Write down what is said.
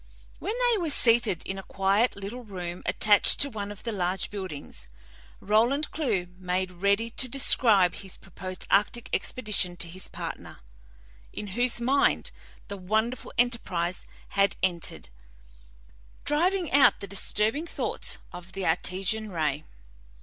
When they were seated in a quiet little room attached to one of the large buildings, Roland Clewe made ready to describe his proposed arctic expedition to his partner, in whose mind the wonderful enterprise had entered, driving out the disturbing thoughts of the Artesian ray.